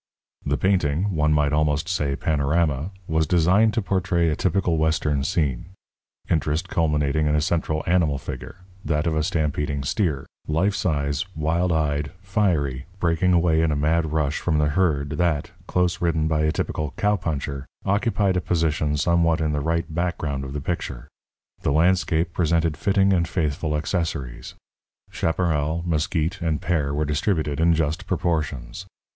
The painting one might almost say panorama was designed to portray a typical Western scene, interest culminating in a central animal figure, that of a stampeding steer, life size, wild eyed, fiery, breaking away in a mad rush from the herd that, close ridden by a typical cowpuncher, occupied a position somewhat in the right background of the picture. The landscape presented fitting and faithful accessories. Chaparral, mesquit, and pear were distributed in just proportions.